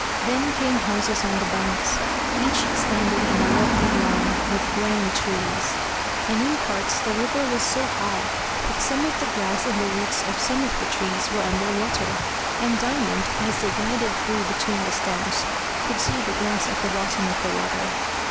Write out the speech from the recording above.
Then came houses on the banks, each standing in a lovely lawn, with grand trees; and in parts the river was so high that some of the grass and the roots of some of the trees were under water, and Diamond, as they glided through between the stems, could see the grass at the bottom of the water.